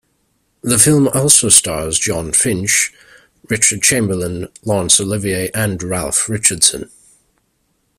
The fim also stars Jon Finch, Richard Chamberlain, Laurence Olivier and Ralph Richardson.